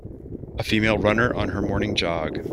A female runner on her morning jog.